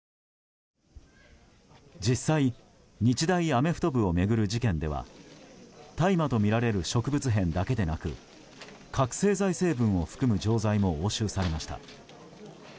実際、日大アメフト部を巡る事件では大麻とみられる植物片だけでなく覚醒剤成分を含む錠剤も押収されました。